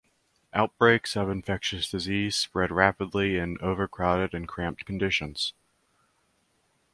Outbreaks of infectious disease spread rapidly in overcrowded and cramped conditions.